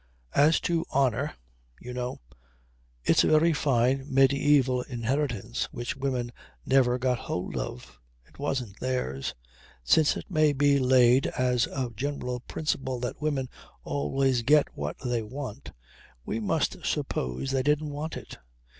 As to honour you know it's a very fine medieval inheritance which women never got hold of. It wasn't theirs. Since it may be laid as a general principle that women always get what they want we must suppose they didn't want it.